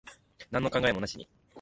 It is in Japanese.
なんの考えもなしに。